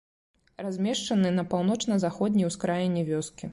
Размешчаны на паўночна-заходняй ускраіне вёскі.